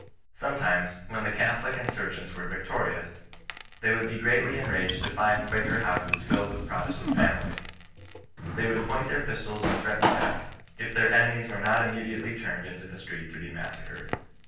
Sometimes, when the Catholic insur gents were victorious, they would be greatly enracied to find Quaker houses filled with Protestant familiea They would point their pistols and threaten death, if their enemies were not immediately turned into tiie street to be massacred.